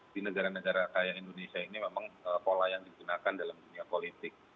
di negara negara kaya indonesia ini memang pola yang digunakan dalam dunia politik